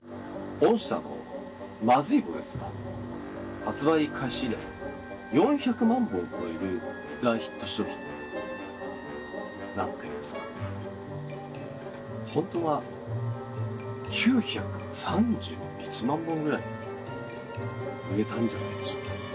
御社のまずい棒ですが発売開始以来、４００万本という大ヒット商品になっていますが本当は９３１万本ぐらい売れたんじゃないでしょうか。